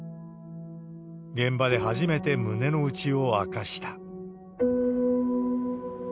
現場で初めて胸の内を明かした。